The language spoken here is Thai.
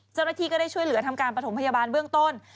เจ้าหน้าที่ก็ได้ช่วยเหลือทำการประถมพยาบาลเบื้องต้น